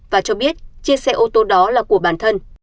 và cho biết chiếc xe ô tô đó là của bản thân